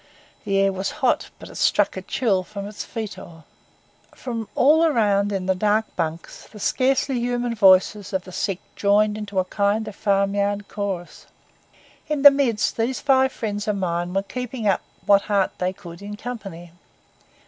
The air was hot, but it struck a chill from its foetor. From all round in the dark bunks, the scarcely human noises of the sick joined into a kind of farmyard chorus. In the midst, these five friends of mine were keeping up what heart they could in company.